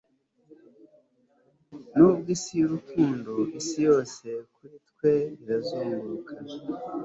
nubwo isi yurukundo isi yose kuri twe irazunguruka